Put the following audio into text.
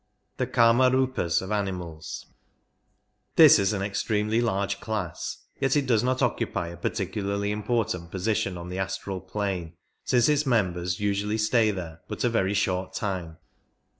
2. T?u Kdmarfipas of Animals, This is an extremely large class, yet it does not occupy a particularly important position on the astral plane, since its members usually stay there but a very short time.